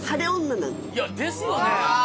いやですよね。